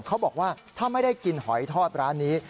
เขาบอกว่าถ้าไม่ได้กินหอยทอดร้านนี้